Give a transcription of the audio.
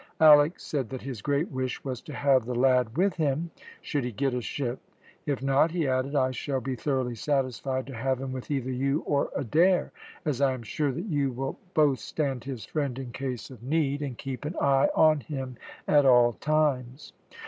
Alick said that his great wish was to have the lad with him, should he get a ship, "if not," he added, "I shall be thoroughly satisfied to have him with either you or Adair, as I am sure that you will both stand his friend in case of need, and keep an eye on him at all times."